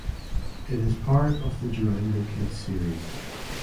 It is part of the Durango Kid series.